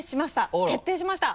あら。決定しました。